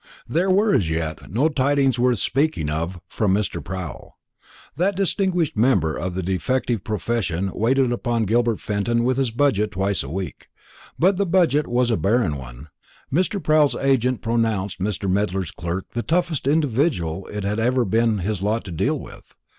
There were as yet no tidings worth speaking of from Mr. Proul. That distinguished member of the detective profession waited upon Gilbert Fenton with his budget twice a week, but the budget was a barren one. Mr. Proul's agent pronounced Mr. Medler's clerk the toughest individual it had ever been his lot to deal with.